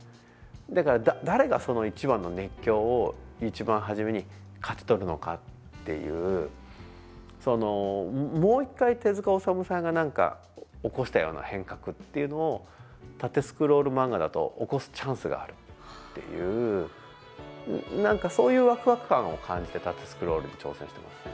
だから、誰が一番の熱狂を一番初めに勝ち取るのかっていうもう１回、手塚治虫さんが起こしたような変革っていうのを縦スクロール漫画だと起こすチャンスがあるっていうそういうワクワク感を感じて縦スクロールに挑戦してますね。